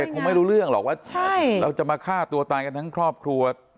คงไม่รู้เรื่องหรอกว่าเราจะมาฆ่าตัวตายกันทั้งครอบครัว